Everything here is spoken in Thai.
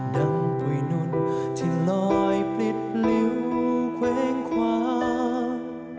ดั่งปุ่ยนุ่นที่ลอยปลิดลิ้วเว้งความ